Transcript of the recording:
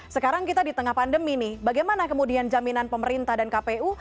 sekarang kita di tengah pandemi nih bagaimana kemudian jaminan pemerintah dan kpu